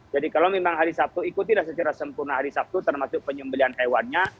jadi kalau memang hari sabtu ikutilah secara sempurna hari sabtu termasuk penyembelian hewannya